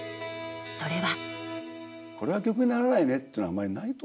それは。